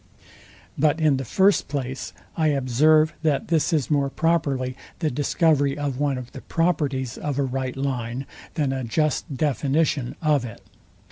But in the first place I observe, that this is more properly the discovery of one of the properties of a right line, than a just deflation of it.